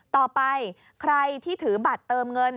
ต่อไปใครที่ถือบัตรเติมเงิน